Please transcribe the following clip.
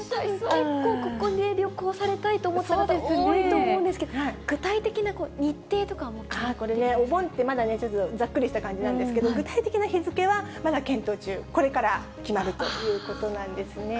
結構、ここで旅行されたいと思った方、多いと思うんですけど、これね、お盆ってまだざっくりした感じなんですけど、具体的な日付はまだ検討中、これから決まるということなんですね。